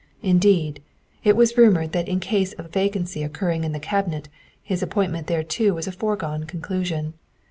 Indeed, it was rumored that in case of a vacancy occurring in the Cabinet his appointment thereto was a foregone con clusion.